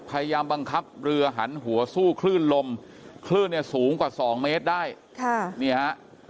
พยายามบังคับเรือหันหัวสู้คลื่นลมคลื่นเนี่ยสูงกว่าสองเมตรได้ค่ะนี่ฮะ